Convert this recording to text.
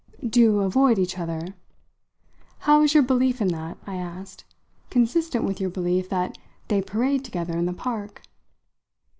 "Do avoid each other? How is your belief in that," I asked, "consistent with your belief that they parade together in the park?"